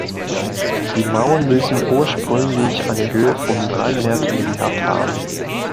Die Mauern müssen ursprünglich eine Höhe von drei Metern gehabt haben.